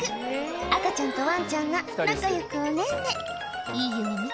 赤ちゃんとわんちゃんが仲よくお寝んね。